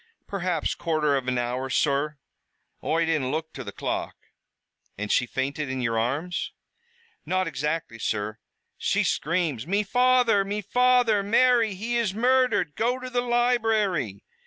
"Perhaps quarter av an hour, sur. Oi didn't look to the clock." "And she fainted in your arms?" "Not exactly that, sur. She scr'ams, 'Me father! me father! Mary, he is murdered! Go to the library!'